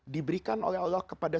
diberikan oleh allah kepada